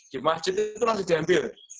di masjid itu langsung diambil